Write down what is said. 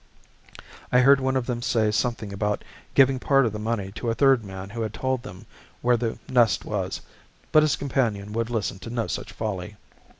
I heard one of them say something about giving part of the money to a third man who had told them where the nest was; but his companion would listen to no such folly.